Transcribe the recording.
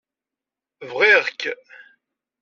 BƔiƔ-k.